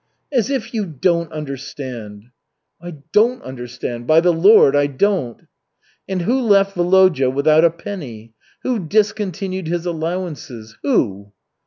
"As if you don't understand!" "I don't understand, by the Lord, I don't!" "And who left Volodya without a penny? Who discontinued his allowances? Who?"